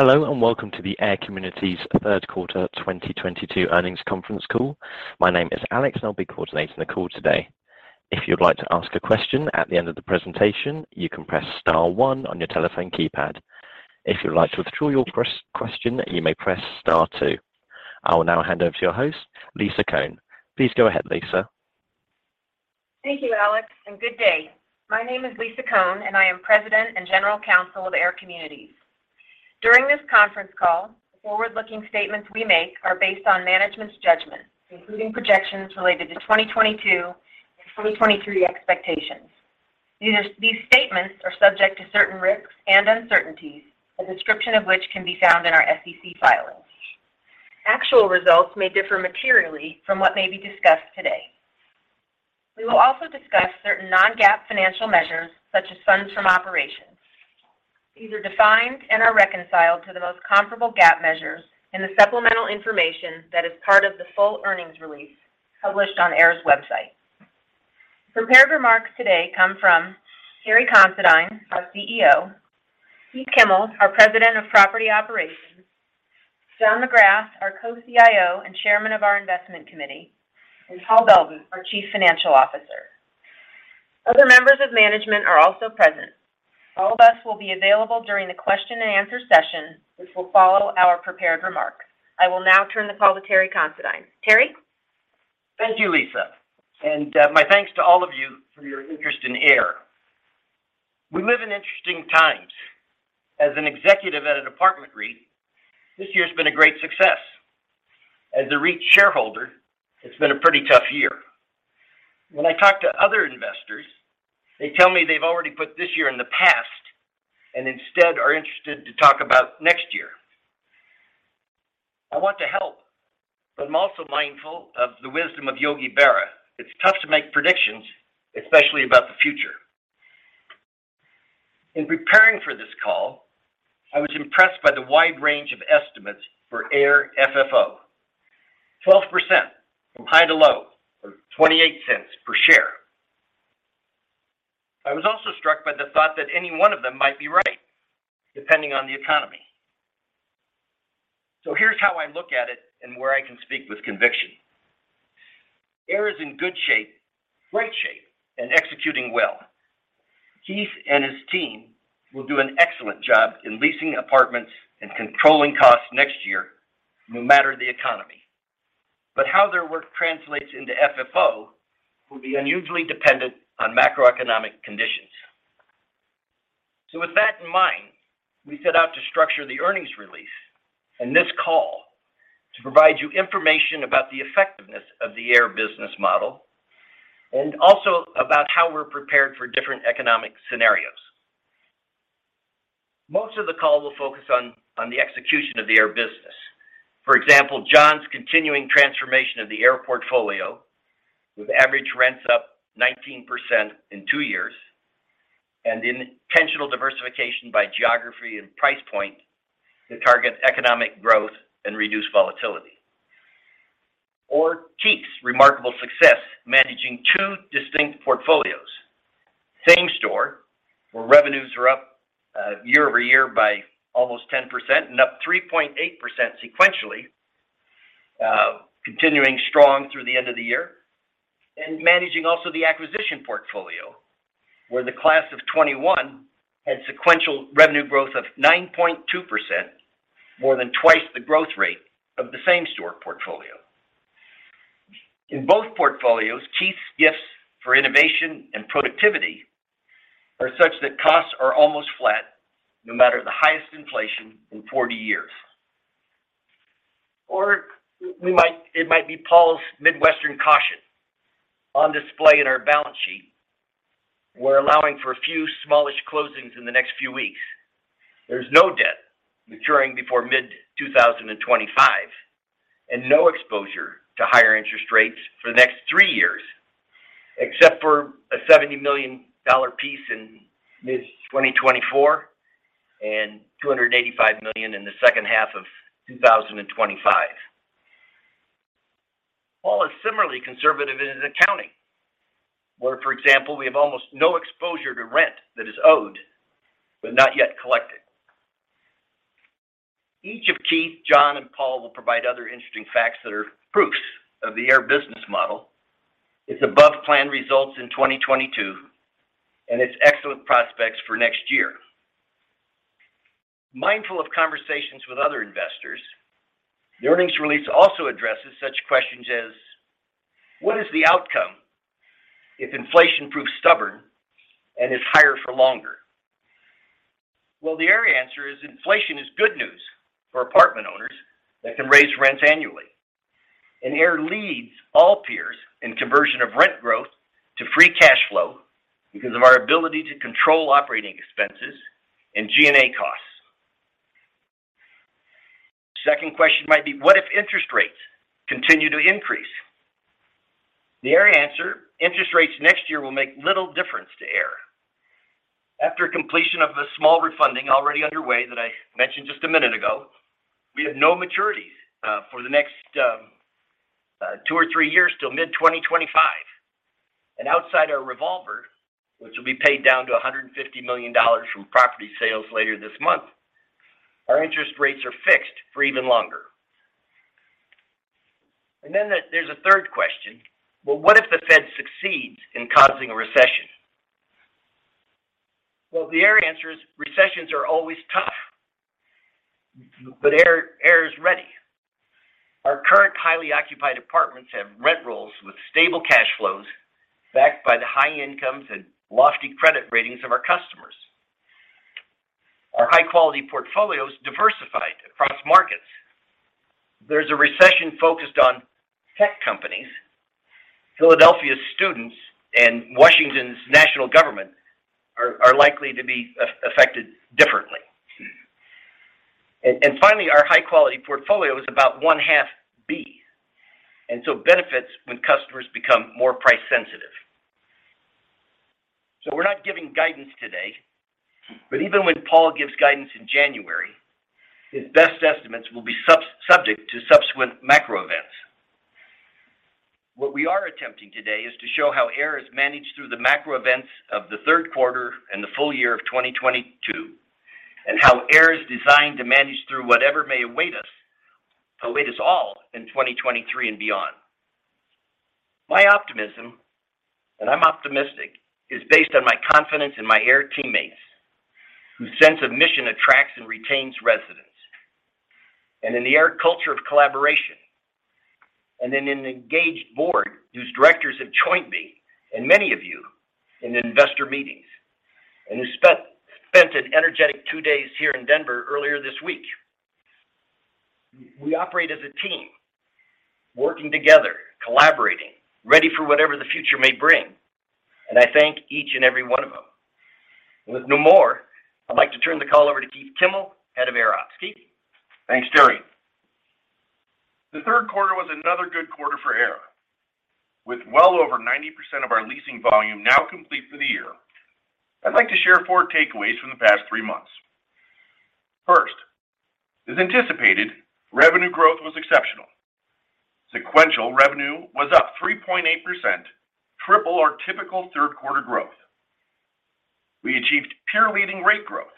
Hello, and welcome to the AIR Communities third quarter 2022 earnings conference call. My name is Alex, and I'll be coordinating the call today. If you'd like to ask a question at the end of the presentation, you can press star one on your telephone keypad. If you'd like to withdraw your question, you may press star two. I will now hand over to your host, Lisa Cohn. Please go ahead, Lisa. Thank you, Alex, and good day. My name is Lisa Cohn, and I am President and General Counsel of AIR Communities. During this conference call, the forward-looking statements we make are based on management's judgments, including projections related to 2022 and 2023 expectations. These statements are subject to certain risks and uncertainties, a description of which can be found in our SEC filings. Actual results may differ materially from what may be discussed today. We will also discuss certain non-GAAP financial measures, such as funds from operations. These are defined and are reconciled to the most comparable GAAP measures in the supplemental information that is part of the full earnings release published on AIR's website. Prepared remarks today come from Terry Considine, our CEO, Keith Kimmel, our President of Property Operations, John McGrath, our Co-CIO and Chairman of our Investment Committee, and Paul Beldin, our Chief Financial Officer. Other members of management are also present. All of us will be available during the question and answer session, which will follow our prepared remarks. I will now turn the call to Terry Considine. Terry? Thank you, Lisa, and my thanks to all of you for your interest in AIR. We live in interesting times. As an executive at an apartment REIT, this year's been a great success. As a REIT shareholder, it's been a pretty tough year. When I talk to other investors, they tell me they've already put this year in the past and instead are interested to talk about next year. I want to help, but I'm also mindful of the wisdom of Yogi Berra. It's tough to make predictions, especially about the future. In preparing for this call, I was impressed by the wide range of estimates for AIR FFO. 12% from high to low, or $0.28 per share. I was also struck by the thought that any one of them might be right, depending on the economy. Here's how I look at it and where I can speak with conviction. AIR is in good shape, great shape, and executing well. Keith and his team will do an excellent job in leasing apartments and controlling costs next year, no matter the economy. How their work translates into FFO will be unusually dependent on macroeconomic conditions. With that in mind, we set out to structure the earnings release and this call to provide you information about the effectiveness of the AIR business model and also about how we're prepared for different economic scenarios. Most of the call will focus on the execution of the AIR business. For example, John's continuing transformation of the AIR portfolio, with average rents up 19% in two years, and intentional diversification by geography and price point to target economic growth and reduce volatility. Keith's remarkable success managing two distinct portfolios. Same-store, where revenues are up year-over-year by almost 10% and up 3.8% sequentially, continuing strong through the end of the year. Managing also the acquisition portfolio, where the class of 2021 had sequential revenue growth of 9.2%, more than twice the growth rate of the same-store portfolio. In both portfolios, Keith's gifts for innovation and productivity are such that costs are almost flat, no matter the highest inflation in 40 years. It might be Paul's Midwestern caution on display in our balance sheet. We're allowing for a few smallish closings in the next few weeks. There's no debt maturing before mid-2025, and no exposure to higher interest rates for the next three years, except for a $70 million piece in mid-2024 and $285 million in the second half of 2025. Paul is similarly conservative in his accounting, where, for example, we have almost no exposure to rent that is owed but not yet collected. Each of Keith, John, and Paul will provide other interesting facts that are proofs of the AIR business model, its above-plan results in 2022, and its excellent prospects for next year. Mindful of conversations with other investors, the earnings release also addresses such questions as what is the outcome if inflation proves stubborn and is higher for longer? Well, the AIR answer is inflation is good news for apartment owners that can raise rents annually. AIR leads all peers in conversion of rent growth to free cash flow because of our ability to control operating expenses and G&A costs. Second question might be, what if interest rates continue to increase? The AIR answer, interest rates next year will make little difference to AIR. After completion of the small refunding already underway that I mentioned just a minute ago, we have no maturities for the next two or three years till mid-2025. Outside our revolver, which will be paid down to $150 million from property sales later this month, our interest rates are fixed for even longer. Then there's a third question. Well, what if the Fed succeeds in causing a recession? Well, the AIR answer is recessions are always tough, but AIR is ready. Our current highly occupied apartments have rent rolls with stable cash flows backed by the high incomes and lofty credit ratings of our customers. Our high-quality portfolio is diversified across markets. There's a recession focused on tech companies. Philadelphia students and Washington's national government are likely to be affected differently. Finally, our high-quality portfolio is about one-half B, and so benefits when customers become more price-sensitive. We're not giving guidance today, but even when Paul gives guidance in January, his best estimates will be subject to subsequent macro events. What we are attempting today is to show how AIR is managed through the macro events of the third quarter and the full year of 2022, and how AIR is designed to manage through whatever may await us all in 2023 and beyond. My optimism, and I'm optimistic, is based on my confidence in my AIR teammates whose sense of mission attracts and retains residents, and in the AIR culture of collaboration, and in an engaged board whose directors have joined me and many of you in investor meetings and who spent an energetic two days here in Denver earlier this week. We operate as a team, working together, collaborating, ready for whatever the future may bring, and I thank each and every one of them. With no more, I'd like to turn the call over to Keith Kimmel, Head of AIR Ops. Keith. Thanks, Terry. The third quarter was another good quarter for AIR. With well over 90% of our leasing volume now complete for the year, I'd like to share four takeaways from the past three months. First, as anticipated, revenue growth was exceptional. Sequential revenue was up 3.8%, triple our typical third-quarter growth. We achieved peer-leading rate growth,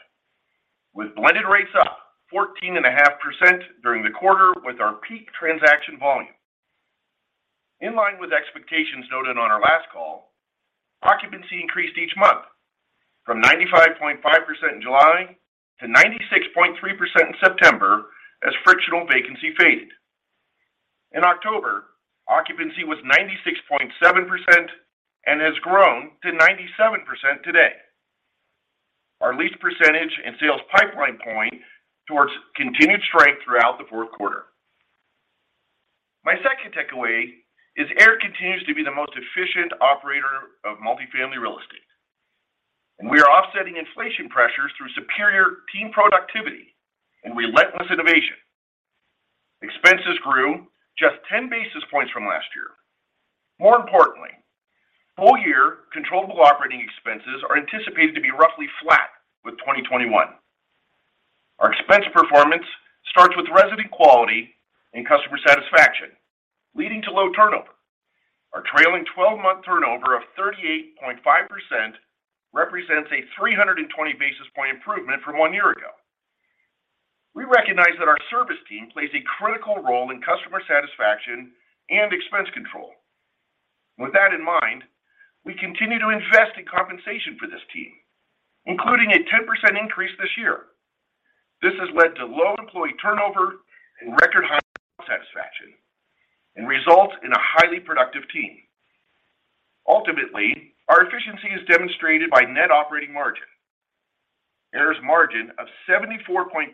with blended rates up 14.5% during the quarter with our peak transaction volume. In line with expectations noted on our last call, occupancy increased each month from 95.5% in July to 96.3% in September as frictional vacancy faded. In October, occupancy was 96.7% and has grown to 97% today. Our lease percentage and sales pipeline point towards continued strength throughout the fourth quarter. My second takeaway is AIR continues to be the most efficient operator of multifamily real estate, and we are offsetting inflation pressures through superior team productivity and relentless innovation. Expenses grew just 10 basis points from last year. More importantly, full-year controllable operating expenses are anticipated to be roughly flat with 2021. Our expense performance starts with resident quality and customer satisfaction, leading to low turnover. Our trailing twelve-month turnover of 38.5% represents a 320 basis point improvement from one year ago. We recognize that our service team plays a critical role in customer satisfaction and expense control. With that in mind, we continue to invest in compensation for this team, including a 10% increase this year. This has led to low employee turnover and record high satisfaction and results in a highly productive team. Ultimately, our efficiency is demonstrated by net operating margin. AIR's margin of 74.3%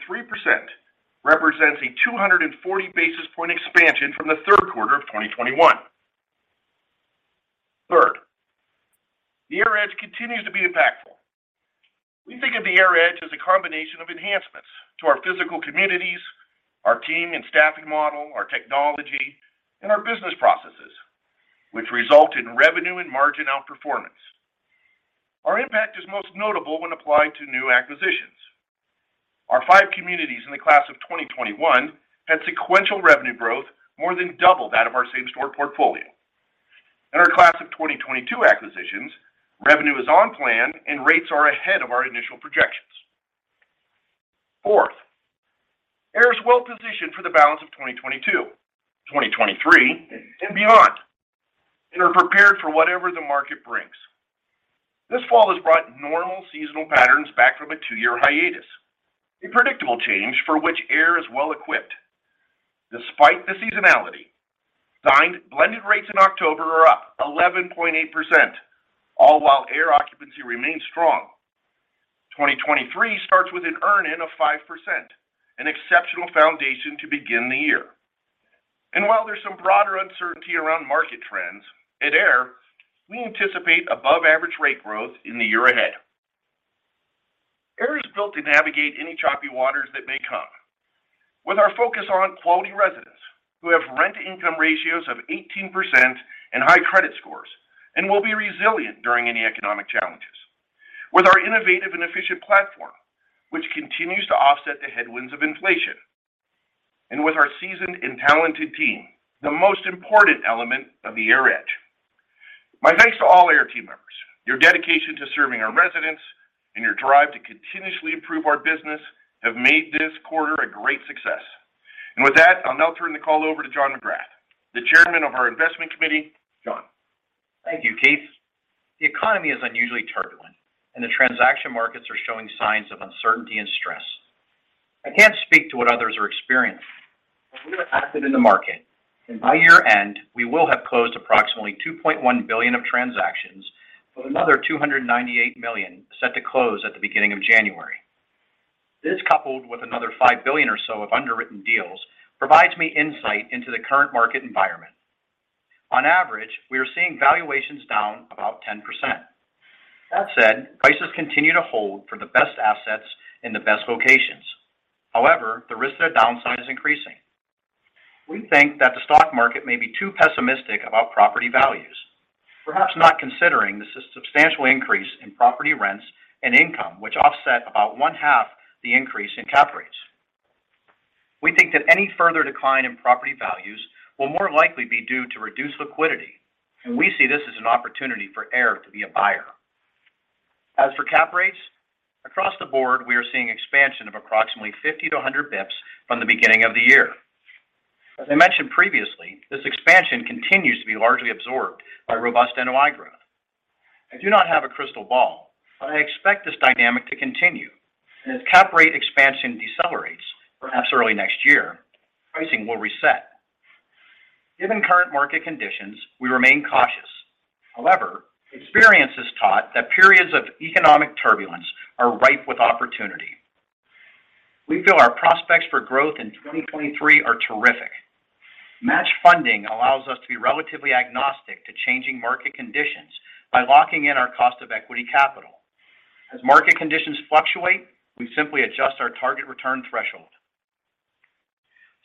represents a 240 basis point expansion from the third quarter of 2021. Third, the AIR Edge continues to be impactful. We think of the AIR Edge as a combination of enhancements to our physical communities, our team and staffing model, our technology, and our business processes, which result in revenue and margin outperformance. Our impact is most notable when applied to new acquisitions. Our five communities in the class of 2021 had sequential revenue growth more than double that of our same-store portfolio. In our class of 2022 acquisitions, revenue is on plan, and rates are ahead of our initial projections. Fourth, AIR is well-positioned for the balance of 2022, 2023, and beyond, and are prepared for whatever the market brings. This fall has brought normal seasonal patterns back from a two-year hiatus, a predictable change for which AIR is well equipped. Despite the seasonality, signed blended rates in October are up 11.8%, all while AIR occupancy remains strong. 2023 starts with an earn-in of 5%, an exceptional foundation to begin the year. While there's some broader uncertainty around market trends, at AIR, we anticipate above-average rate growth in the year ahead. AIR is built to navigate any choppy waters that may come. With our focus on quality residents who have rent-to-income ratios of 18% and high credit scores and will be resilient during any economic challenges. With our innovative and efficient platform, which continues to offset the headwinds of inflation, and with our seasoned and talented team, the most important element of the AIR Edge. My thanks to all AIR team members. Your dedication to serving our residents and your drive to continuously improve our business have made this quarter a great success. With that, I'll now turn the call over to John McGrath, the Chairman of our Investment Committee. John. Thank you, Keith. The economy is unusually turbulent, and the transaction markets are showing signs of uncertainty and stress. I can't speak to what others are experiencing, but we are active in the market. By year-end, we will have closed approximately $2.1 billion of transactions, with another $298 million set to close at the beginning of January. This, coupled with another $5 billion or so of underwritten deals, provides me insight into the current market environment. On average, we are seeing valuations down about 10%. That said, prices continue to hold for the best assets in the best locations. However, the risk of a downside is increasing. We think that the stock market may be too pessimistic about property values, perhaps not considering the substantial increase in property rents and income, which offset about one-half the increase in cap rates. We think that any further decline in property values will more likely be due to reduced liquidity, and we see this as an opportunity for AIR to be a buyer. As for cap rates, across the board, we are seeing expansion of approximately 50-100 basis points from the beginning of the year. As I mentioned previously, this expansion continues to be largely absorbed by robust NOI growth. I do not have a crystal ball, but I expect this dynamic to continue. As cap rate expansion decelerates, perhaps early next year, pricing will reset. Given current market conditions, we remain cautious. However, experience has taught that periods of economic turbulence are ripe with opportunity. We feel our prospects for growth in 2023 are terrific. Matched funding allows us to be relatively agnostic to changing market conditions by locking in our cost of equity capital. As market conditions fluctuate, we simply adjust our target return threshold.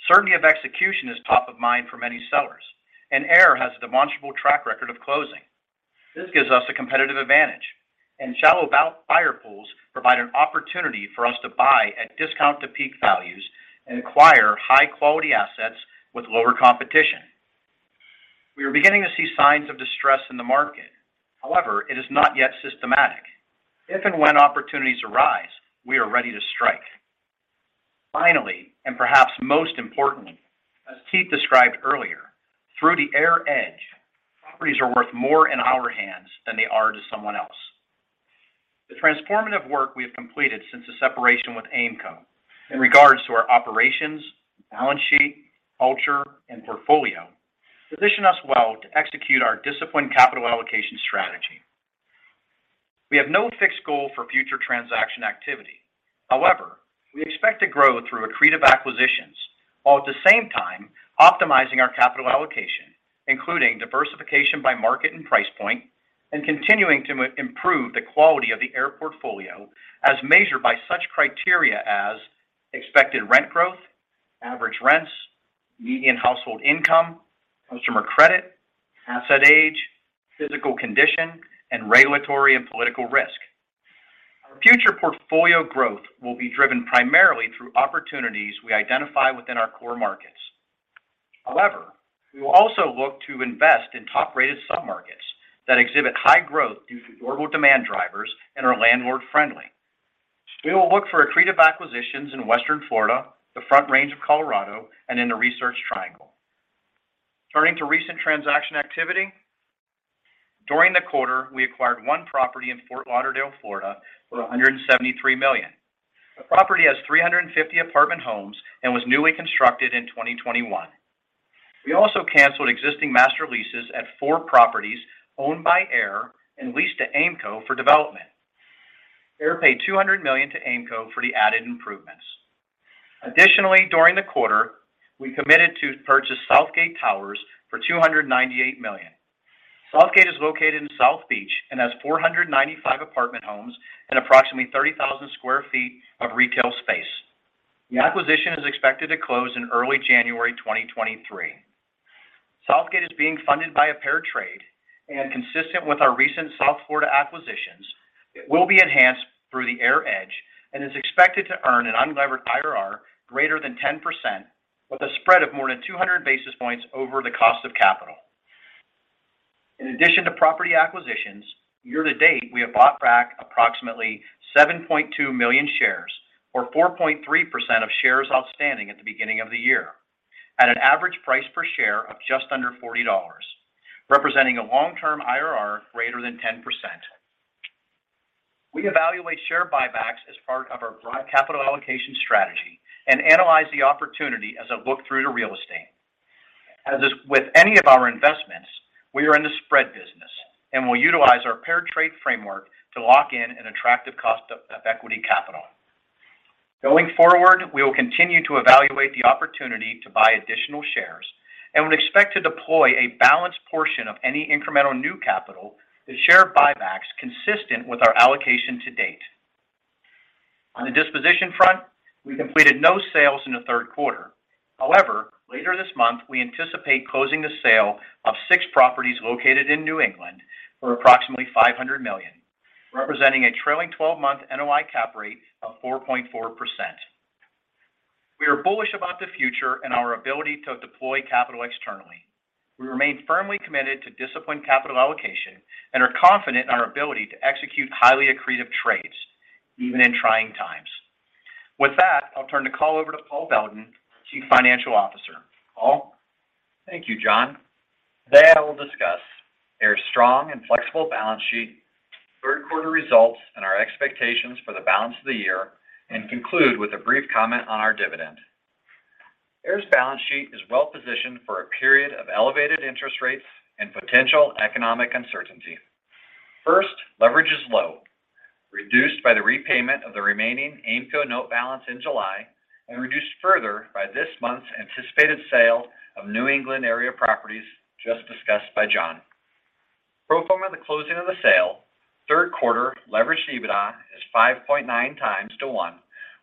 Certainty of execution is top of mind for many sellers, and AIR has a demonstrable track record of closing. This gives us a competitive advantage, and shallow buyer pools provide an opportunity for us to buy at discount to peak values and acquire high-quality assets with lower competition. We are beginning to see signs of distress in the market. However, it is not yet systematic. If and when opportunities arise, we are ready to strike. Finally, and perhaps most importantly, as Keith described earlier, through the AIR Edge, properties are worth more in our hands than they are to someone else. The transformative work we have completed since the separation with Aimco in regards to our operations, balance sheet, culture, and portfolio position us well to execute our disciplined capital allocation strategy. We have no fixed goal for future transaction activity. However, we expect to grow through accretive acquisitions while at the same time optimizing our capital allocation, including diversification by market and price point, and continuing to improve the quality of the AIR portfolio as measured by such criteria as expected rent growth, average rents, median household income, customer credit, asset age, physical condition, and regulatory and political risk. Our future portfolio growth will be driven primarily through opportunities we identify within our core markets. However, we will also look to invest in top-rated submarkets that exhibit high growth due to durable demand drivers and are landlord-friendly. We will look for accretive acquisitions in Western Florida, the Front Range of Colorado, and in the Research Triangle. Turning to recent transaction activity. During the quarter, we acquired one property in Fort Lauderdale, Florida, for $173 million. The property has 350 apartment homes and was newly constructed in 2021. We also canceled existing master leases at four properties owned by AIR and leased to Aimco for development. AIR paid $200 million to Aimco for the added improvements. Additionally, during the quarter, we committed to purchase Southgate Towers for $298 million. Southgate Towers is located in South Beach and has 495 apartment homes and approximately 30,000 sq ft of retail space. The acquisition is expected to close in early January 2023. Southgate Towers is being funded by a pair trade and consistent with our recent South Florida acquisitions. It will be enhanced through the AIR Edge and is expected to earn an unlevered IRR greater than 10% with a spread of more than 200 basis points over the cost of capital. In addition to property acquisitions, year-to-date, we have bought back approximately 7.2 million shares or 4.3% of shares outstanding at the beginning of the year at an average price per share of just under $40, representing a long-term IRR greater than 10%. We evaluate share buybacks as part of our broad capital allocation strategy and analyze the opportunity as a look-through to real estate. As is with any of our investments, we are in the spread business and will utilize our paired trade framework to lock in an attractive cost of equity capital. Going forward, we will continue to evaluate the opportunity to buy additional shares and would expect to deploy a balanced portion of any incremental new capital to share buybacks consistent with our allocation to date. On the disposition front, we completed no sales in the third quarter. However, later this month, we anticipate closing the sale of six properties located in New England for approximately $500 million, representing a trailing twelve-month NOI cap rate of 4.4%. We are bullish about the future and our ability to deploy capital externally. We remain firmly committed to disciplined capital allocation and are confident in our ability to execute highly accretive trades even in trying times. With that, I'll turn the call over to Paul Beldin, Chief Financial Officer. Paul. Thank you, John. Today, I will discuss AIR's strong and flexible balance sheet, third quarter results, and our expectations for the balance of the year, and conclude with a brief comment on our dividend. AIR's balance sheet is well-positioned for a period of elevated interest rates and potential economic uncertainty. First, leverage is low, reduced by the repayment of the remaining Aimco note balance in July and reduced further by this month's anticipated sale of New England area properties just discussed by John. Pro forma the closing of the sale, third quarter leverage EBITDA is 5.9x to one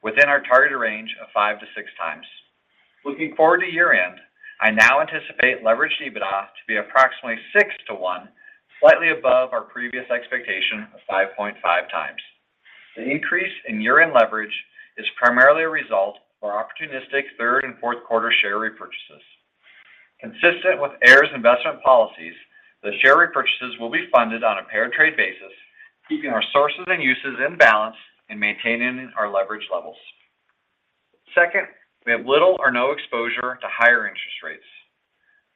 within our targeted range of 5x-6x. Looking forward to year-end, I now anticipate leverage EBITDA to be approximately six to one, slightly above our previous expectation of 5.5x. The increase in year-end leverage is primarily a result of our opportunistic third and fourth quarter share repurchases. Consistent with AIR's investment policies, the share repurchases will be funded on a pair trade basis, keeping our sources and uses in balance and maintaining our leverage levels. Second, we have little or no exposure to higher interest rates.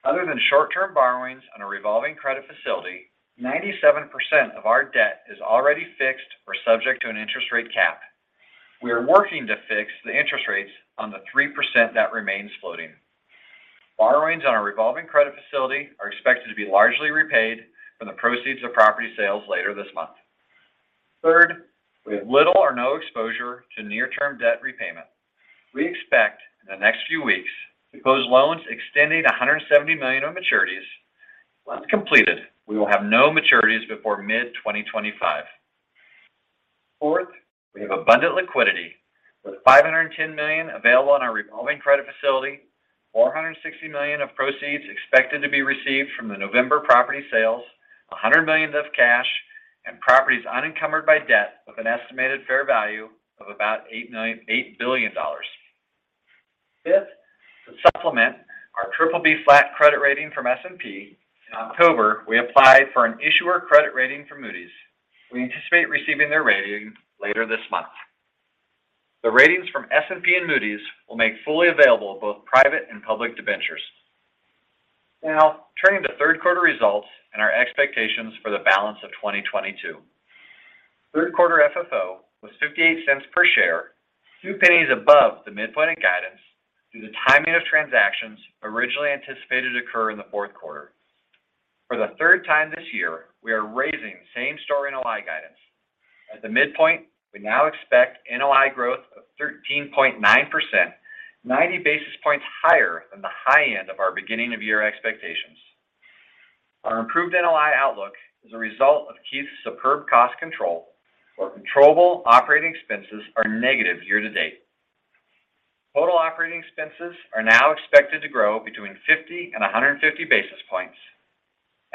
Other than short-term borrowings on a revolving credit facility, 97% of our debt is already fixed or subject to an interest rate cap. We are working to fix the interest rates on the 3% that remains floating. Borrowings on our revolving credit facility are expected to be largely repaid from the proceeds of property sales later this month. Third, we have little or no exposure to near-term debt repayment. We expect in the next few weeks to close loans extending $170 million on maturities. Once completed, we will have no maturities before mid-2025. Fourth, we have abundant liquidity with $510 million available on our revolving credit facility, $460 million of proceeds expected to be received from the November property sales, $100 million of cash, and properties unencumbered by debt with an estimated fair value of about $8 billion. Fifth, to supplement our BBB- credit rating from S&P, in October, we applied for an issuer credit rating from Moody's. We anticipate receiving their rating later this month. The ratings from S&P and Moody's will make fully available both private and public debentures. Now turning to third quarter results and our expectations for the balance of 2022. Third quarter FFO was $0.58 per share, 2 cents above the midpoint of guidance due to the timing of transactions originally anticipated to occur in the fourth quarter. For the third time this year, we are raising same-store NOI guidance. At the midpoint, we now expect NOI growth of 13.9%, 90 basis points higher than the high end of our beginning of year expectations. Our improved NOI outlook is a result of Keith's superb cost control, where controllable operating expenses are negative year-to-date. Total operating expenses are now expected to grow between 50 and 150 basis points.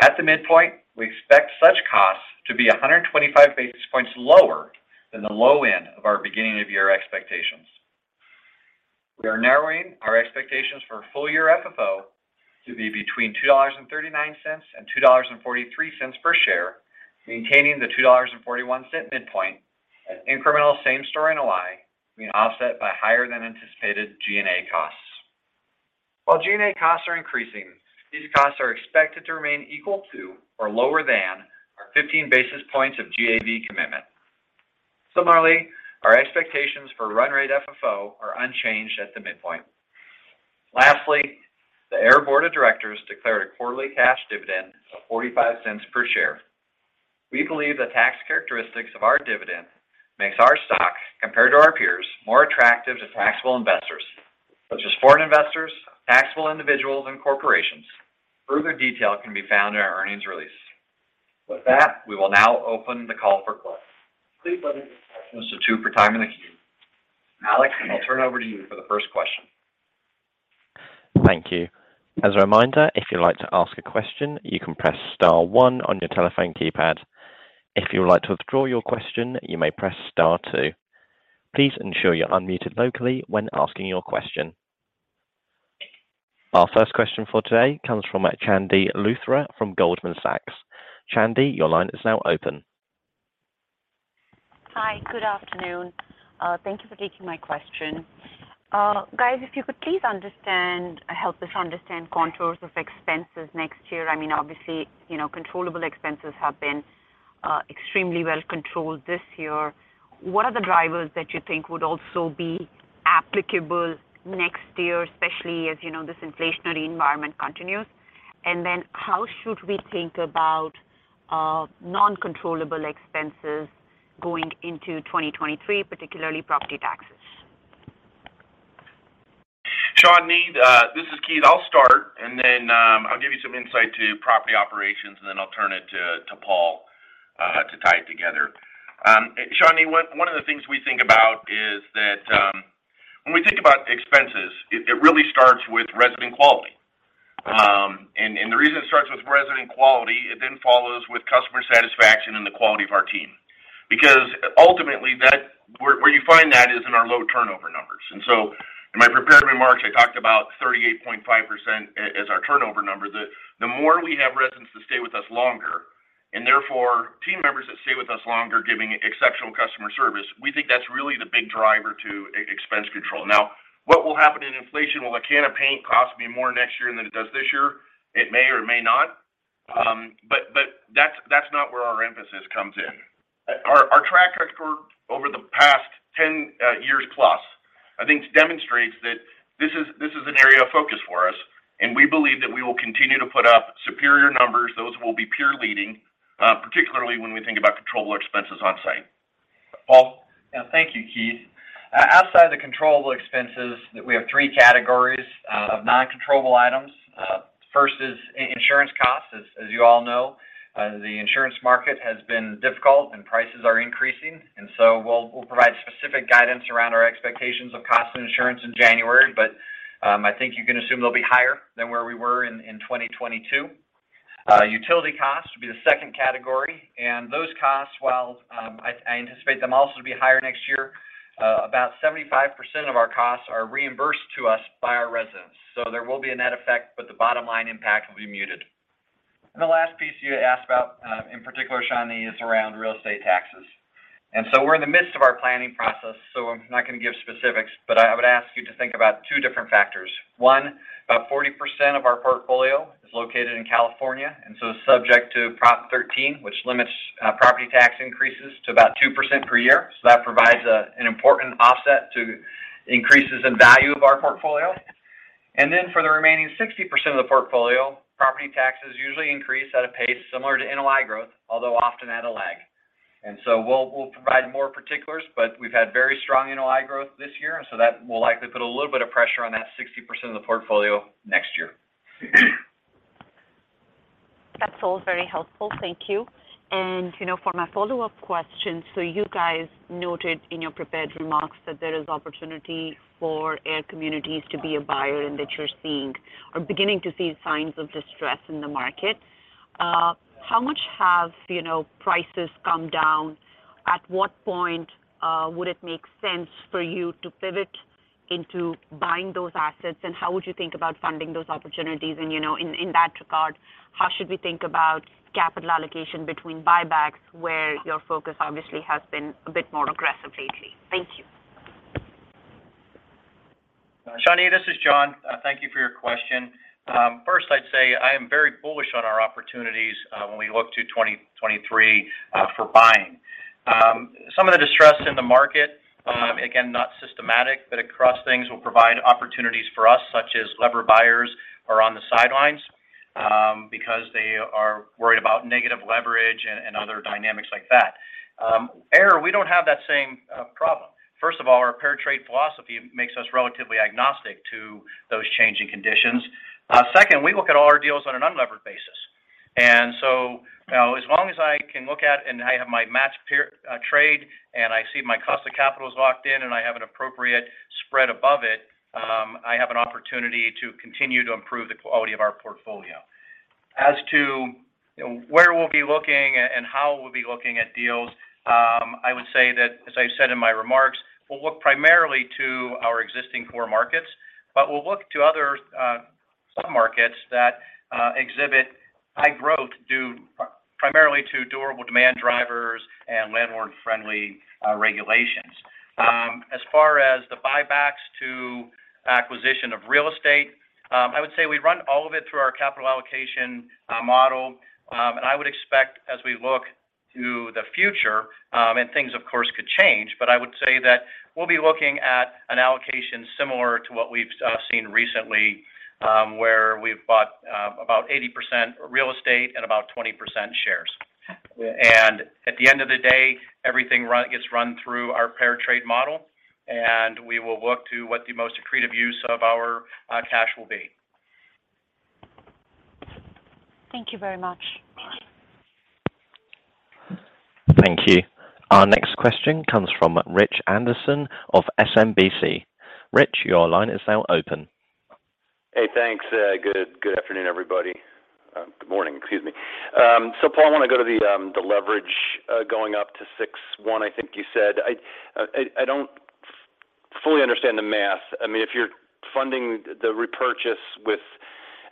At the midpoint, we expect such costs to be 125 basis points lower than the low end of our beginning of year expectations. We are narrowing our expectations for full year FFO to be between $2.39 and $2.43 per share, maintaining the $2.41 midpoint at incremental same-store NOI being offset by higher than anticipated G&A costs. While G&A costs are increasing, these costs are expected to remain equal to or lower than our 15 basis points of G&A commitment. Similarly, our expectations for run rate FFO are unchanged at the midpoint. Lastly, the AIR Board of Directors declared a quarterly cash dividend of $0.45 per share. We believe the tax characteristics of our dividend makes our stock, compared to our peers, more attractive to taxable investors, such as foreign investors, taxable individuals, and corporations. Further detail can be found in our earnings release. With that, we will now open the call for questions. Please limit your questions to two for time and queue. Alex, I'll turn over to you for the first question. Thank you. As a reminder, if you'd like to ask a question, you can press star one on your telephone keypad. If you would like to withdraw your question, you may press star two. Please ensure you're unmuted locally when asking your question. Our first question for today comes from Chandni Luthra from Goldman Sachs. Chandni, your line is now open. Hi. Good afternoon. Thank you for taking my question. Guys, if you could please help us understand contours of expenses next year. I mean, obviously, you know, controllable expenses have been extremely well controlled this year. What are the drivers that you think would also be applicable next year, especially as, you know, this inflationary environment continues? How should we think about non-controllable expenses going into 2023, particularly property taxes? Chandni, this is Keith. I'll start, and then I'll give you some insight to property operations, and then I'll turn it to Paul to tie it together. Chandni, one of the things we think about is that when we think about expenses, it really starts with resident quality. The reason it starts with resident quality, it then follows with customer satisfaction and the quality of our team. Because ultimately, that where you find that is in our low turnover numbers. In my prepared remarks, I talked about 38.5% as our turnover number. The more we have residents that stay with us longer, and therefore team members that stay with us longer giving exceptional customer service, we think that's really the big driver to expense control. Now, what will happen in inflation? Will a can of paint cost me more next year than it does this year? It may or may not. That's not where our emphasis comes in. Our track record over the past 10 years plus, I think demonstrates that this is an area of focus for us, and we believe that we will continue to put up superior numbers. Those will be peer leading, particularly when we think about controllable expenses on-site. Paul? Yeah. Thank you, Keith. Outside the controllable expenses, we have three categories of non-controllable items. First is insurance costs. As you all know, the insurance market has been difficult, and prices are increasing. We'll provide specific guidance around our expectations of costs and insurance in January. I think you can assume they'll be higher than where we were in 2022. Utility costs will be the second category. Those costs, while I anticipate them also to be higher next year, about 75% of our costs are reimbursed to us by our residents. There will be a net effect, but the bottom line impact will be muted. The last piece you asked about, in particular, Chandni, is around real estate taxes. We're in the midst of our planning process, so I'm not gonna give specifics, but I would ask you to think about two different factors. One, about 40% of our portfolio is located in California, and so subject to Proposition 13, which limits property tax increases to about 2% per year. That provides an important offset to increases in value of our portfolio. For the remaining 60% of the portfolio, property taxes usually increase at a pace similar to NOI growth, although often at a lag. We'll provide more particulars, but we've had very strong NOI growth this year, and so that will likely put a little bit of pressure on that 60% of the portfolio next year. That's all very helpful. Thank you. You know, for my follow-up question, so you guys noted in your prepared remarks that there is opportunity for AIR Communities to be a buyer, and that you're seeing or beginning to see signs of distress in the market. How much have, you know, prices come down? At what point would it make sense for you to pivot into buying those assets? How would you think about funding those opportunities? You know, in that regard, how should we think about capital allocation between buybacks, where your focus obviously has been a bit more aggressive lately? Thank you. Chandni Luthra, this is John. Thank you for your question. First, I'd say I am very bullish on our opportunities when we look to 2023 for buying. Some of the distress in the market, again, not systematic, but across things will provide opportunities for us, such as levered buyers are on the sidelines because they are worried about negative leverage and other dynamics like that. AIR, we don't have that same problem. First of all, our pair trade philosophy makes us relatively agnostic to those changing conditions. Second, we look at all our deals on an unlevered basis. You know, as long as I can look at and I have my matched pair trade, and I see my cost of capital is locked in, and I have an appropriate spread above it, I have an opportunity to continue to improve the quality of our portfolio. As to, you know, where we'll be looking and how we'll be looking at deals, I would say that, as I said in my remarks, we'll look primarily to our existing core markets, but we'll look to other submarkets that exhibit high growth due primarily to durable demand drivers and landlord-friendly regulations. As far as the buybacks to acquisition of real estate, I would say we run all of it through our capital allocation model. I would expect as we look to the future, and things of course could change, but I would say that we'll be looking at an allocation similar to what we've seen recently, where we've bought about 80% real estate and about 20% shares. At the end of the day, everything gets run through our pair trade model, and we will look to what the most accretive use of our cash will be. Thank you very much. Thank you. Our next question comes from Rich Anderson of SMBC. Rich, your line is now open. Hey, thanks. Good afternoon, everybody. Good morning, excuse me. Paul, I want to go to the leverage going up to 6.1, I think you said. I don't fully understand the math. I mean, if you're funding the repurchase with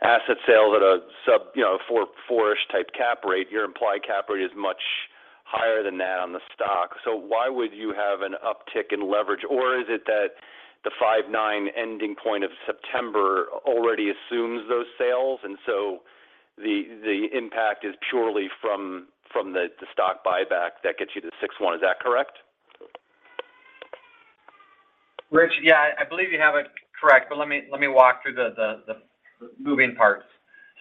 asset sales at a sub-four, you know, four-ish type cap rate, your implied cap rate is much higher than that on the stock. Why would you have an uptick in leverage? Or is it that the 5.9 ending point of September already assumes those sales, and the impact is purely from the stock buyback that gets you to 6.1? Is that correct? Rich, yeah, I believe you have it correct, but let me walk through the moving parts.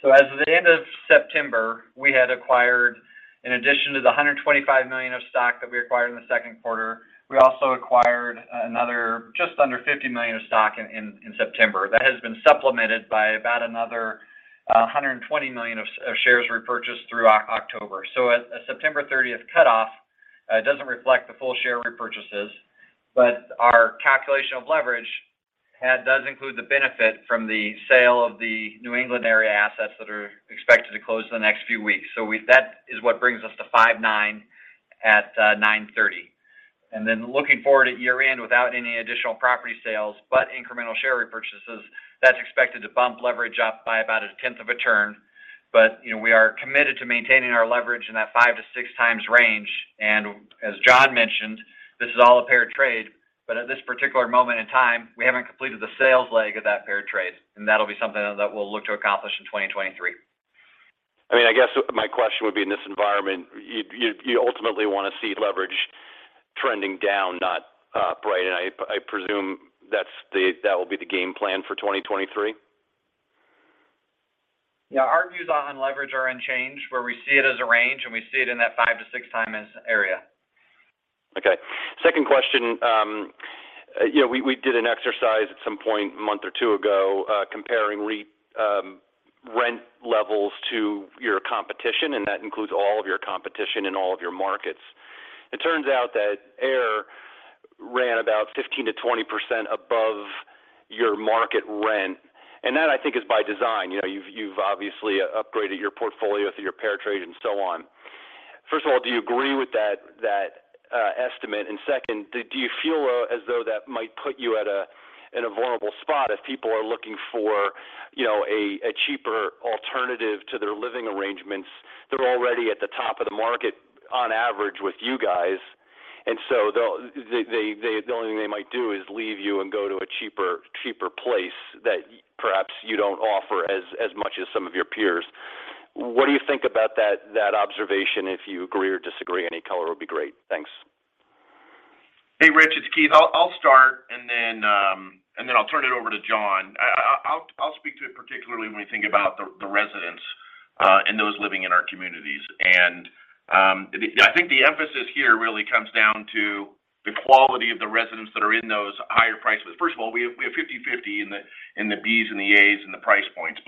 As of the end of September, we had acquired in addition to the $125 million of stock that we acquired in the second quarter, we also acquired another just under $50 million of stock in September. That has been supplemented by about another $120 million of shares repurchased through October. At September 30 cutoff, it doesn't reflect the full share repurchases, but our calculation of leverage does include the benefit from the sale of the New England area assets that are expected to close in the next few weeks. That is what brings us to 5.9 at 9/30. Then looking forward at year-end without any additional property sales, but incremental share repurchases, that's expected to bump leverage up by about a tenth of a turn. You know, we are committed to maintaining our leverage in that 5x-6x range. As John mentioned, this is all a pair trade. At this particular moment in time, we haven't completed the sales leg of that pair trade, and that'll be something that we'll look to accomplish in 2023. I mean, I guess my question would be, in this environment, you ultimately wanna see leverage trending down, not up, right? I presume that will be the game plan for 2023. Yeah. Our views on leverage are unchanged, where we see it as a range, and we see it in that 5x-6x area. Okay. Second question. You know, we did an exercise at some point a month or two ago, comparing rent levels to your competition, and that includes all of your competition in all of your markets. It turns out that AIR ran about 15%-20% above your market rent, and that I think is by design. You know, you've obviously upgraded your portfolio through your pair trade and so on. First of all, do you agree with that estimate? And second, do you feel as though that might put you at a vulnerable spot if people are looking for, you know, a cheaper alternative to their living arrangements that are already at the top of the market on average with you guys, and so they'll. The only thing they might do is leave you and go to a cheaper place that perhaps you don't offer as much as some of your peers. What do you think about that observation? If you agree or disagree, any color would be great. Thanks. Hey, Rich. It's Keith. I'll start and then I'll turn it over to John. I'll speak to it particularly when we think about the residents and those living in our communities. I think the emphasis here really comes down to the quality of the residents that are in those higher price points. First of all, we have 50-50 in the Bs and the As in the price points.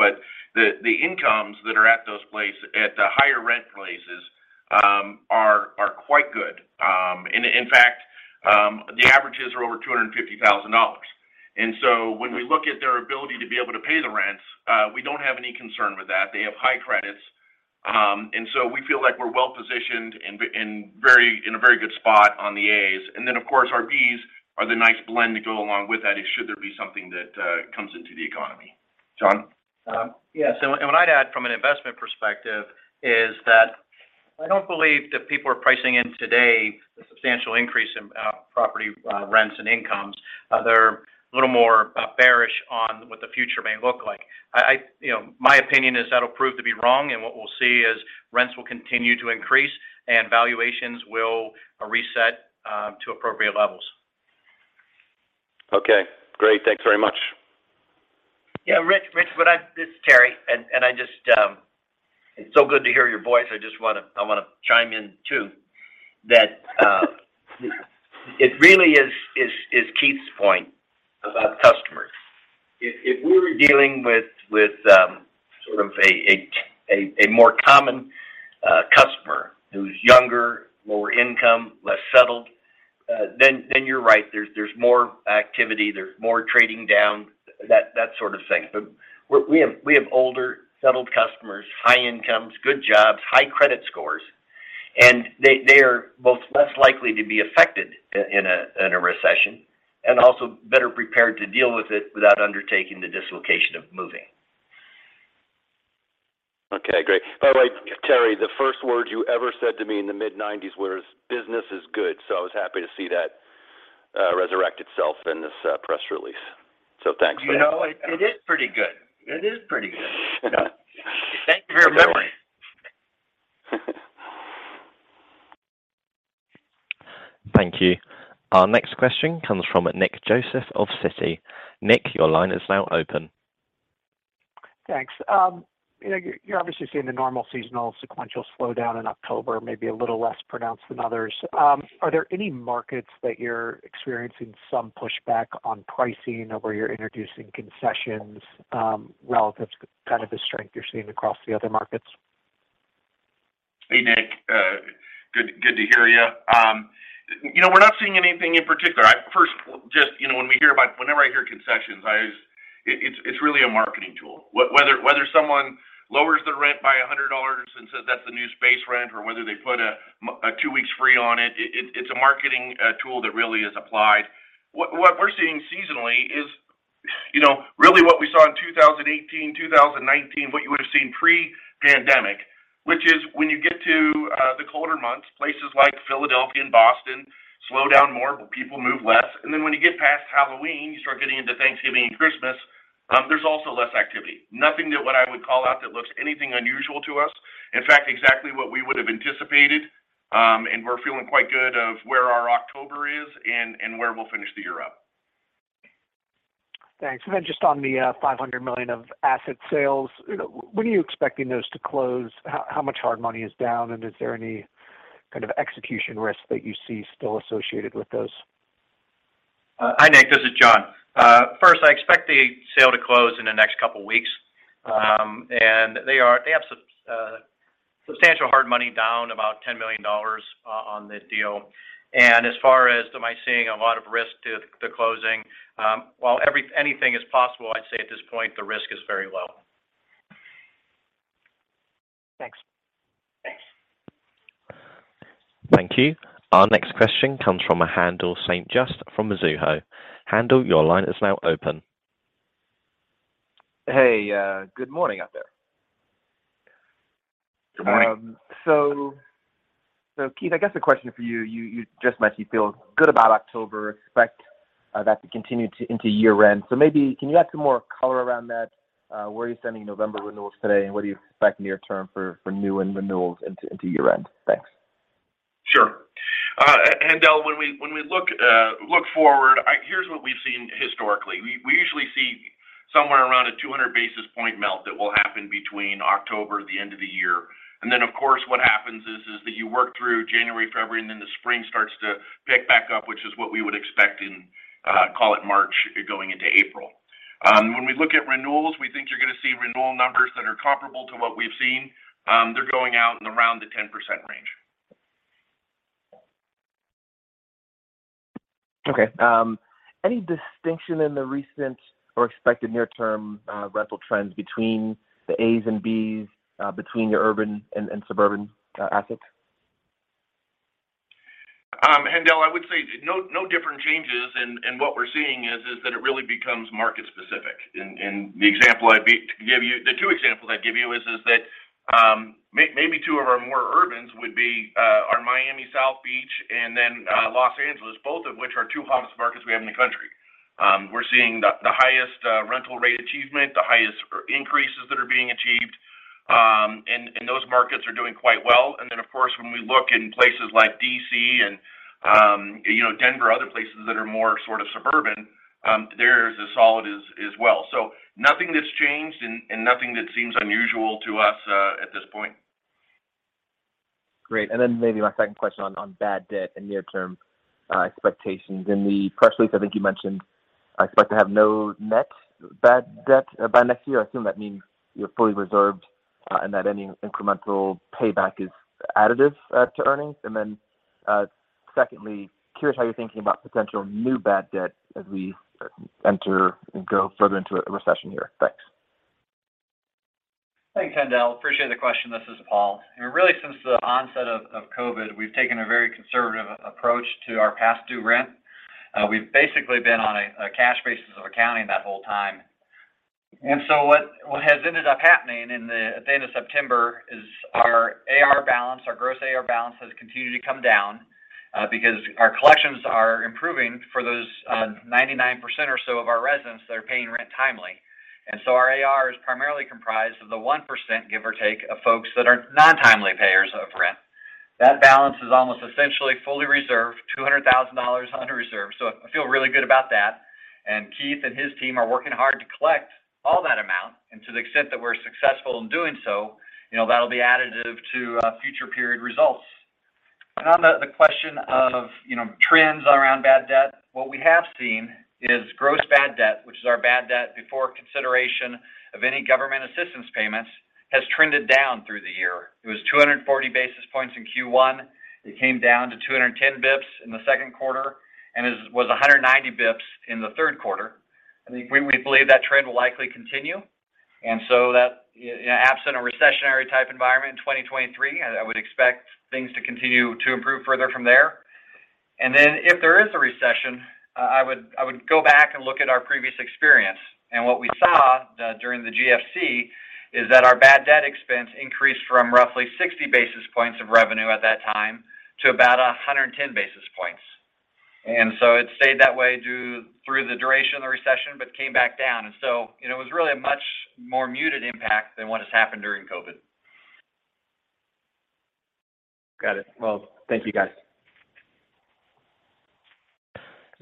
The incomes that are at those higher rent places are quite good. And in fact, the averages are over $250,000. When we look at their ability to be able to pay the rents, we don't have any concern with that. They have high credits. We feel like we're well positioned and in a very good spot on the As. Of course our Bs are the nice blend to go along with that should there be something that comes into the economy. John? What I'd add from an investment perspective is that I don't believe that people are pricing in today the substantial increase in property rents and incomes. They're a little more bearish on what the future may look like. You know, my opinion is that'll prove to be wrong, and what we'll see is rents will continue to increase and valuations will reset to appropriate levels. Okay. Great. Thanks very much. Yeah. Rich, this is Terry, and I just—it's so good to hear your voice. I just wanna chime in too that it really is Keith's point about customers. If we were dealing with sort of a more common customer who's younger, lower income, less settled, then you're right. There's more activity, there's more trading down, that sort of thing. But we have older settled customers, high incomes, good jobs, high credit scores, and they are both less likely to be affected in a recession and also better prepared to deal with it without undertaking the dislocation of moving. Okay, great. By the way, Terry, the first words you ever said to me in the mid-1990s were, "Business is good." I was happy to see that resurrect itself in this press release. Thanks for that. You know it is pretty good. Thank you for remembering. Thank you. Our next question comes from Nick Joseph of Citi. Nick, your line is now open. Thanks. You know, you're obviously seeing the normal seasonal sequential slowdown in October, maybe a little less pronounced than others. Are there any markets that you're experiencing some pushback on pricing or where you're introducing concessions, relative to kind of the strength you're seeing across the other markets? Hey, Nick. Good to hear you. You know, we're not seeing anything in particular. You know, whenever I hear concessions, I just. It's really a marketing tool. Whether someone lowers the rent by $100 and says that's the new space rent, or whether they put a two weeks free on it's a marketing tool that really is applied. What we're seeing seasonally is, you know, really what we saw in 2018, 2019, what you would've seen pre-pandemic, which is when you get to the colder months, places like Philadelphia and Boston slow down more, people move less. Then when you get past Halloween, you start getting into Thanksgiving and Christmas, there's also less activity. Nothing that I would call out that looks anything unusual to us. In fact, exactly what we would've anticipated, and we're feeling quite good about where our October is and where we'll finish the year up. Thanks. Just on the $500 million of asset sales, you know, when are you expecting those to close? How much hard money is down? And is there any kind of execution risk that you see still associated with those? Hi Nick, this is John. First, I expect the sale to close in the next couple weeks. They have substantial hard money down, about $10 million on the deal. As far as I'm seeing a lot of risk to the closing, while anything is possible, I'd say at this point the risk is very low. Thanks. Thanks. Thank you. Our next question comes from Haendel St. Juste from Mizuho. Haendel, your line is now open. Hey, good morning out there. Good morning. Keith, I guess a question for you. You just mentioned you feel good about October, expect that to continue into year-end. Maybe can you add some more color around that? Where are you standing in November renewals today, and what do you expect near term for new and renewals into year-end? Thanks. Sure. Haendel, when we look forward, here's what we've seen historically. We usually see somewhere around a 200 basis point melt that will happen between October, the end of the year. Then of course, what happens is that you work through January, February, and then the spring starts to pick back up, which is what we would expect in, call it March going into April. When we look at renewals, we think you're gonna see renewal numbers that are comparable to what we've seen. They're going out in around the 10% range. Okay. Any distinction in the recent or expected near-term rental trends between the A's and B's, between the urban and suburban assets? Haendel, I would say no different changes. What we're seeing is that it really becomes market specific. The two examples I'd give you is that maybe two of our more urban would be our Miami Beach and then Los Angeles, both of which are our two hottest markets we have in the country. We're seeing the highest rental rate achievement, the highest increases that are being achieved, and those markets are doing quite well. Then of course, when we look in places like D.C. and you know, Denver, other places that are more sort of suburban, they're as solid as well. Nothing that's changed and nothing that seems unusual to us at this point. Great. Maybe my second question on bad debt and near-term expectations. In the press release, I think you mentioned expect to have no net bad debt by next year. I assume that means you're fully reserved, and that any incremental payback is additive to earnings. Secondly, curious how you're thinking about potential new bad debt as we enter and go further into a recession year. Thanks. Thanks, Haendel. Appreciate the question. This is Paul. Really since the onset of COVID, we've taken a very conservative approach to our past due rent. We've basically been on a cash basis of accounting that whole time. What has ended up happening at the end of September is our AR balance, our gross AR balance has continued to come down, because our collections are improving for those 99% or so of our residents that are paying rent timely. Our AR is primarily comprised of the 1%, give or take, of folks that are non-timely payers of rent. That balance is almost essentially fully reserved, $200,000 under reserve. I feel really good about that, and Keith and his team are working hard to collect all that amount. To the extent that we're successful in doing so, you know, that'll be additive to future period results. On the question of, you know, trends around bad debt, what we have seen is gross bad debt, which is our bad debt before consideration of any government assistance payments, has trended down through the year. It was 240 basis points in Q1. It came down to 210 basis points in the second quarter, and was 190 basis points in the third quarter. We believe that trend will likely continue. That, you know, absent a recessionary type environment in 2023, I would expect things to continue to improve further from there. If there is a recession, I would go back and look at our previous experience. What we saw during the GFC is that our bad debt expense increased from roughly 60 basis points of revenue at that time to about 110 basis points. It stayed that way through the duration of the recession, but came back down. You know, it was really a much more muted impact than what has happened during COVID. Got it. Well, thank you, guys.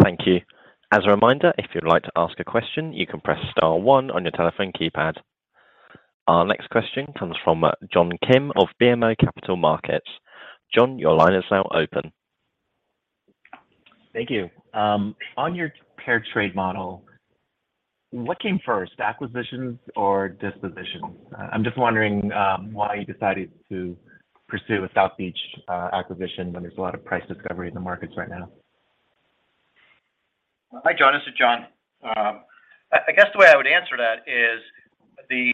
Thank you. As a reminder, if you'd like to ask a question, you can press star one on your telephone keypad. Our next question comes from John Kim of BMO Capital Markets. John, your line is now open. Thank you. On your paired trade model, what came first, acquisitions or dispositions? I'm just wondering, why you decided to pursue a South Beach acquisition when there's a lot of price discovery in the markets right now. Hi, John. This is John. I guess the way I would answer that is the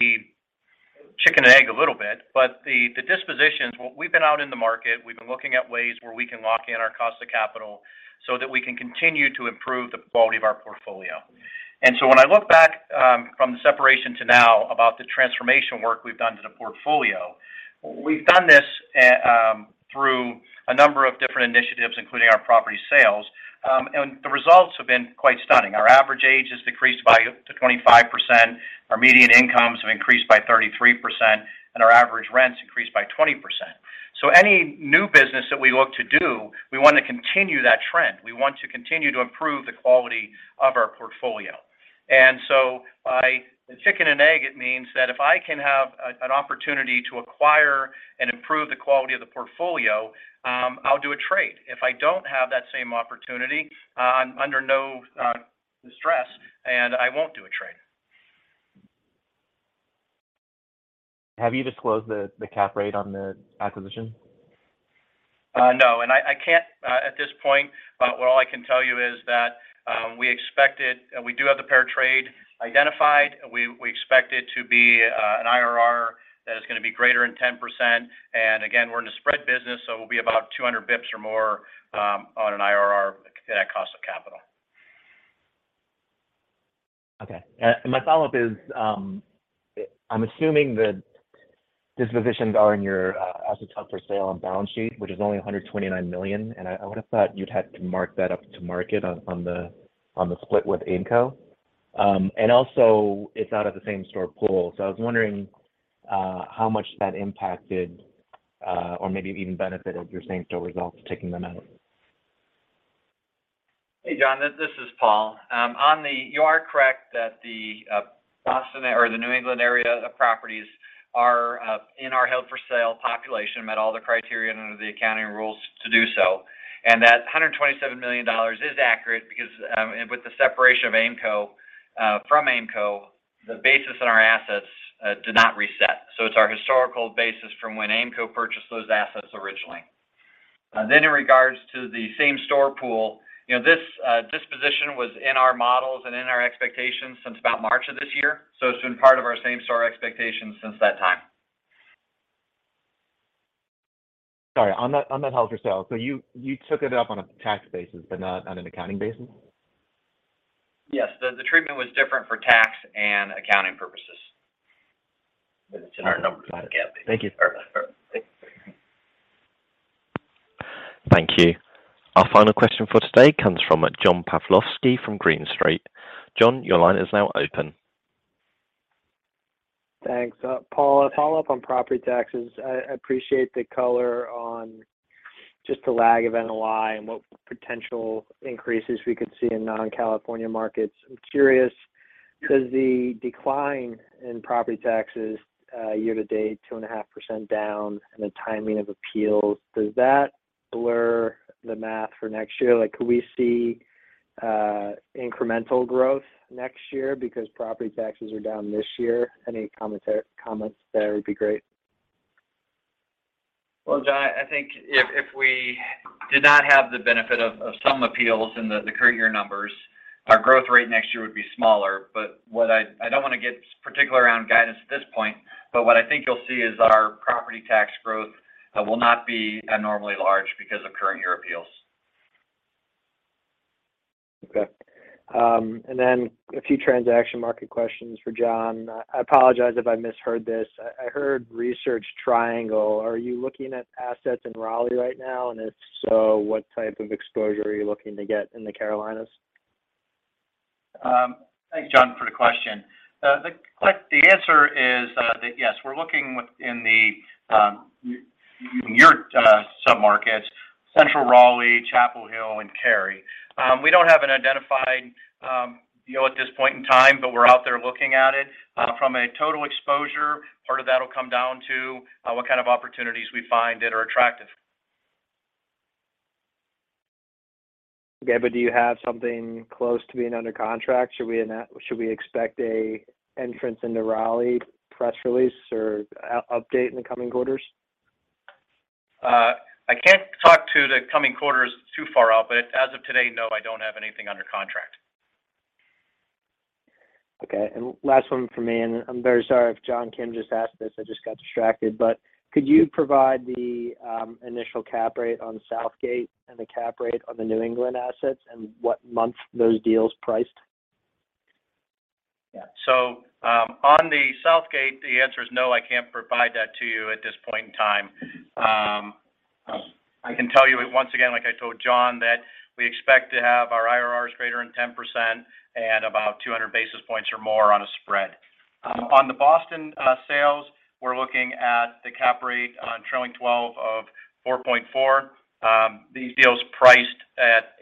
chicken and egg a little bit, but the dispositions, what we've been out in the market, we've been looking at ways where we can lock in our cost of capital so that we can continue to improve the quality of our portfolio. When I look back from the separation to now about the transformation work we've done to the portfolio, we've done this through a number of different initiatives, including our property sales. The results have been quite stunning. Our average age has decreased by up to 25%. Our median incomes have increased by 33%, and our average rents increased by 20%. Any new business that we look to do, we want to continue that trend. We want to continue to improve the quality of our portfolio. By the chicken and egg, it means that if I can have an opportunity to acquire and improve the quality of the portfolio, I'll do a trade. If I don't have that same opportunity, I'm under no distress, and I won't do a trade. Have you disclosed the cap rate on the acquisition? No. I can't at this point, but what all I can tell you is that we expect it. We do have the pair trade identified. We expect it to be an IRR that is gonna be greater than 10%. Again, we're in a spread business, so we'll be about 200 bps or more on an IRR at cost of capital. Okay. My follow-up is, I'm assuming that dispositions are in your assets up for sale on balance sheet, which is only $129 million. I would have thought you'd had to mark that up to market on the split with Aimco. It's out of the same-store pool. I was wondering how much that impacted or maybe even benefited your same-store results taking them out. Hey, John, this is Paul. You are correct that the Boston or the New England area of properties are in our held-for-sale population. Met all the criteria under the accounting rules to do so. That $127 million is accurate because with the separation from Aimco, the basis in our assets did not reset. It's our historical basis from when Aimco purchased those assets originally. In regards to the same-store pool, you know, this disposition was in our models and in our expectations since about March of this year, so it's been part of our same-store expectations since that time. Sorry, on that held for sale, so you took it up on a tax basis but not on an accounting basis? Yes. The treatment was different for tax and accounting purposes. It's in our numbers. Got it. Thank you. Sure. Thank you. Thank you. Our final question for today comes from John Pawlowski from Green Street. John, your line is now open. Thanks. Paul, a follow-up on property taxes. I appreciate the color on just the lag of NOI and what potential increases we could see in non-California markets. I'm curious, does the decline in property taxes, year-to-date 2.5% down and the timing of appeals, does that blur the math for next year? Like, could we see incremental growth next year because property taxes are down this year? Any comments there would be great. Well, John, I think if we did not have the benefit of some appeals in the current year numbers, our growth rate next year would be smaller. What I don't wanna get particular around guidance at this point, but what I think you'll see is our property tax growth will not be abnormally large because of current year appeals. Okay. A few transaction market questions for John. I apologize if I misheard this. I heard Research Triangle. Are you looking at assets in Raleigh right now? If so, what type of exposure are you looking to get in the Carolinas? Thank you, John, for the question. The answer is that yes, we're looking within the your sub-markets, central Raleigh, Chapel Hill and Cary. We don't have an identified deal at this point in time, but we're out there looking at it. From a total exposure, part of that'll come down to what kind of opportunities we find that are attractive. Okay. Do you have something close to being under contract? Should we expect an entrance into Raleigh press release or update in the coming quarters? I can't talk to the coming quarters. It's too far out. As of today, no, I don't have anything under contract. Okay. Last one from me, and I'm very sorry if John Kim just asked this, I just got distracted. Could you provide the initial cap rate on Southgate and the cap rate on the New England assets and what month those deals priced? Yeah, on the Southgate, the answer is no, I can't provide that to you at this point in time. I can tell you once again, like I told John, that we expect to have our IRRs greater than 10% and about 200 basis points or more on a spread. On the Boston sales, we're looking at the cap rate on trailing twelve of 4.4. These deals priced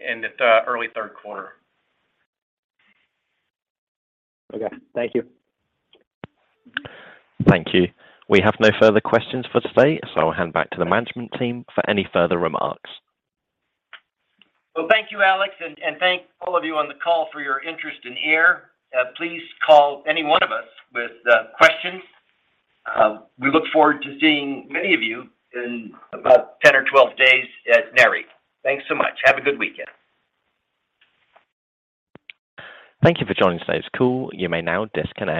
in the early third quarter. Okay. Thank you. Thank you. We have no further questions for today, so I'll hand back to the management team for any further remarks. Well, thank you, Alex, and thank all of you on the call for your interest in AIR. Please call any one of us with questions. We look forward to seeing many of you in about 10 or 12 days at Nareit. Thanks so much. Have a good weekend. Thank you for joining today's call. You may now disconnect.